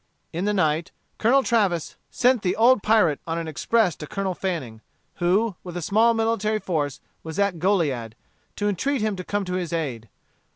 In the night, Colonel Travis sent the old pirate on an express to Colonel Fanning, who, with a small military force, was at Goliad, to entreat him to come to his aid.